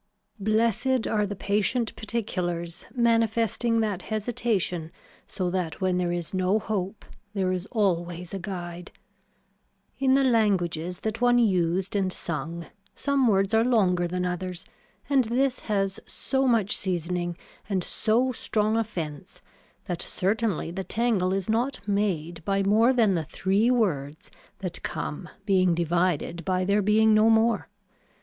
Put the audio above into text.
Blessed are the patient particulars manifesting that hesitation so that when there is no hope there is always a guide. In the languages that one used and sung some words are longer than others and this has so much seasoning and so strong a fence that certainly the tangle is not made by more than the three words that come being divided by there being no more.